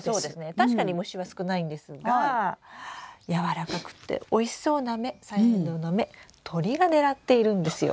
確かに虫は少ないんですがやわらかくっておいしそうな芽サヤエンドウの芽鳥が狙っているんですよ。